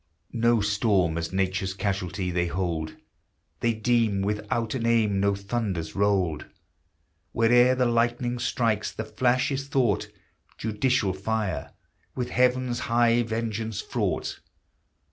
No storm as Nature's casualty they hold, They deem without an aim no thunders rolled; Where'er the lightning strikes, the flash is thought Judicial fire, with Heaven's high vengeance fraught.